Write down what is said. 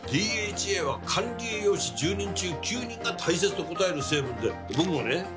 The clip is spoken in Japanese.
ＤＨＡは管理栄養士１０人中９人が大切と答える成分で僕もね